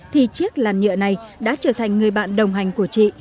thì chiếc làn nhựa này đã trở thành người bạn đồng hành của chị